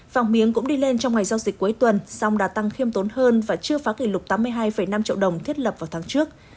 vàng miếng cũng đi lên trong ngày giao dịch cuối tuần song đã tăng khiêm tốn hơn và chưa phá kỷ lục tám mươi hai năm triệu đồng thiết lập vào tháng trước